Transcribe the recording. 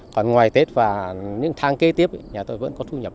còn ngoài tết và những tháng kế tiếp nhà tôi vẫn có thu nhập